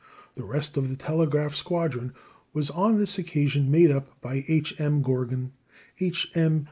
The rest of the telegraph squadron was on this occasion made up by H.M. Gorgon, H.M.